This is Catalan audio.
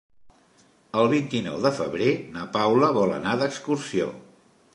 El vint-i-nou de febrer na Paula vol anar d'excursió.